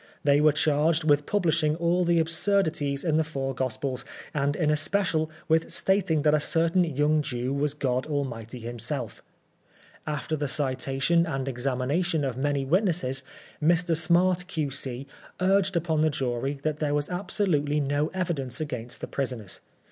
They were charged with publishing all the absurdities in the four gospels, and in especial with stating that a certain young Jew was God Almighty himself. After the citation and examination of many witnesses, Mr. Smart, Q.C., urged upon the jury that there was absolutely no evidence against the prisoners.